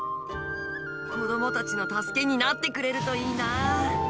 子どもたちの助けになってくれるといいな。